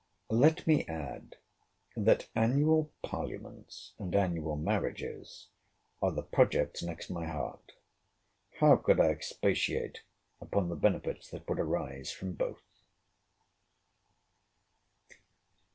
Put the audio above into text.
Let me add, that annual parliaments, and annual marriages, are the projects next my heart. How could I expatiate upon the benefits that would arise from both!